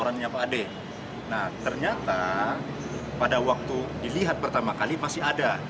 nah ternyata pada waktu dilihat pertama kali masih ada